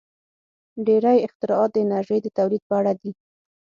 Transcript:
• ډېری اختراعات د انرژۍ د تولید په اړه دي.